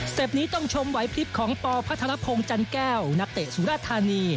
สเต็ปนี้ต้องชมไว้พลิปของปพระธารพงษ์จันแก้วณเตศุราธานี